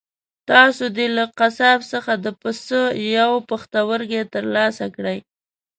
تاسو دې له قصاب څخه د پسه یو پښتورګی ترلاسه کړئ.